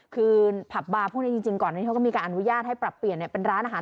คือผับบาร์พวกนี้จริงก่อนนั้นเขาก็มีการอนุญาตให้ปรับเปลี่ยนเป็นร้านอาหาร